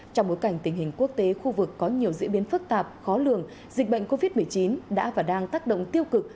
trong bối cảnh tình hình quốc tế khu vực có nhiều diễn biến phức tạp khó lường dịch bệnh covid một mươi chín đã và đang tác động tiêu cực